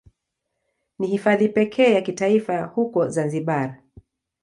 Ni Hifadhi pekee ya kitaifa huko Zanzibar.